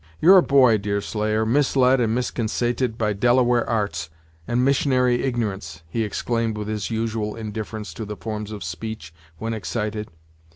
"You're a boy, Deerslayer, misled and misconsaited by Delaware arts, and missionary ignorance," he exclaimed, with his usual indifference to the forms of speech, when excited.